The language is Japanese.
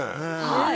はい。